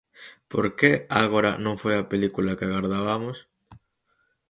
Por que Ágora non foi a película que agardabamos?